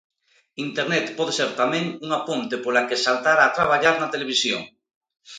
Internet pode ser, tamén, unha ponte pola que saltar a traballar na televisión.